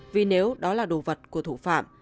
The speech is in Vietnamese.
vì nếu đó là đồ vật của thủ phạm